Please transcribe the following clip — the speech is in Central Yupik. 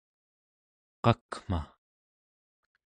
qakma